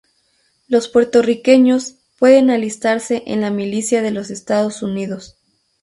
Los puertorriqueños pueden alistarse en la milicia de los Estados Unidos.